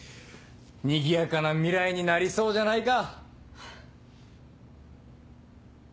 にぎやかな未来になりそうじゃないか。